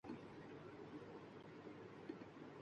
لیکن اب نقش و نگارِ طاق نسیاں ہو گئیں